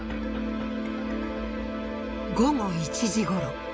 午後１時ごろ。